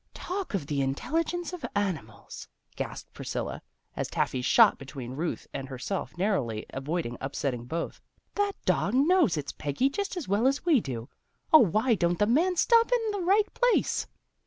" Talk of the intelligence of animals," gasped Priscilla, as Taffy shot between Ruth and her self, narrowly avoiding upsetting both. " That dog knows it's Peggy just as well as we do. O why don't the man stop in the right place?